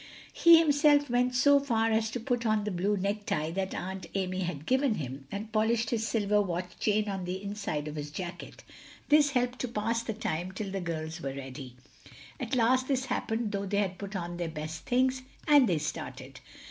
He himself went so far as to put on the blue necktie that Aunt Amy had given him, and polished his silver watch chain on the inside of his jacket. This helped to pass the time till the girls were ready. At last this happened though they had put on their best things, and they started.